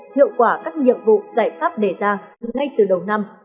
hiệu quả các nhiệm vụ giải pháp đề ra ngay từ đầu năm